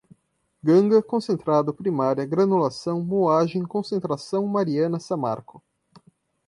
ganga, concentrado, primária, granulação, moagem, concentração, mariana, samarco